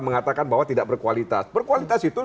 mengatakan bahwa tidak berkualitas berkualitas itu